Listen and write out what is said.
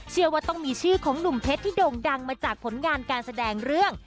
เชื่อว่าต้องมีชื่อของหนุ่มเพชรที่โด่งดังมาจากผลงานการแสดงเรื่อง